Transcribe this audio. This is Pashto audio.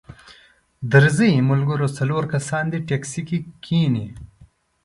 درځئ ملګرو څلور کسان دې ټیکسي کې کښینئ.